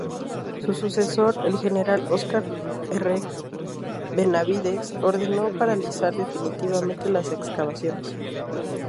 Su sucesor, el general Óscar R. Benavides, ordenó paralizar definitivamente las excavaciones.